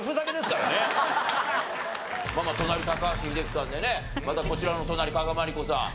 まあまあ隣高橋英樹さんでねまたそちらの隣加賀まりこさん